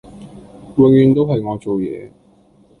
永遠都係我做野